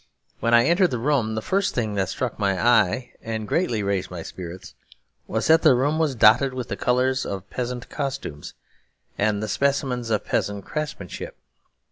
When I entered the room the first thing that struck my eye, and greatly raised my spirits, was that the room was dotted with the colours of peasant costumes and the specimens of peasant craftsmanship.